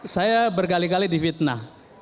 saya berkali kali di fitnah